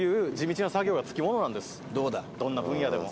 どんな分野でも。